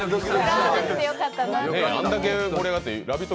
あれだけ盛り上がってラヴィット！